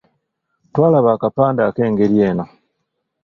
Twalaba akapande ak’engeri eno.